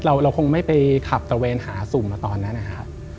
เราคงไม่ไปขับตระเวนหาสุ่มมาตอนนั้นนะครับ